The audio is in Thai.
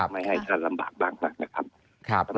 ไม่ให้ชั้นลำบากมากนะครับ